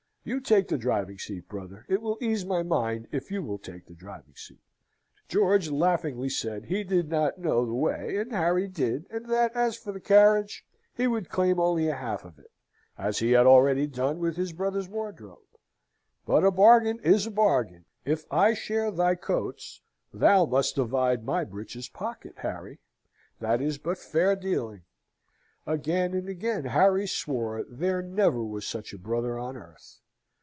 You take the driving seat, brother; it will ease my mind if you will take the driving seat." George laughingly said he did not know the way, and Harry did; and that, as for the carriage, he would claim only a half of it, as he had already done with his brother's wardrobe. "But a bargain is a bargain; if I share thy coats, thou must divide my breeches' pocket, Harry; that is but fair dealing!" Again and again Harry swore there never was such a brother on earth.